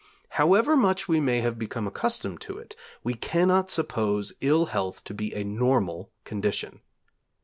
However much we may have become accustomed to it, we cannot suppose ill health to be a normal condition.